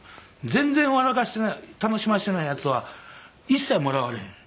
「全然笑かせてない楽しませてないヤツは一切もらわれへん。